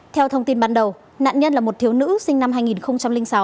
theo thông tin ban đầu nạn nhân là một thiếu nữ sinh năm hai nghìn sáu